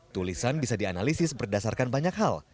tulisan bisa dianalisis berdasarkan banyak hal